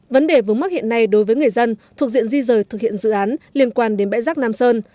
vấn đề vướng mắc hiện nay đối với người dân thuộc diện di rời thực hiện dự án liên quan đến bãi rác nam sơn